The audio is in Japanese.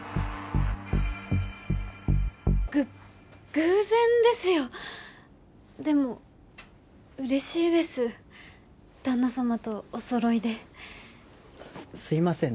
あっぐ偶然ですよでもうれしいです旦那さまとおそろいですいません